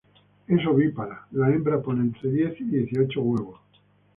Es ovípara, la hembra pone entre diez y dieciocho huevos.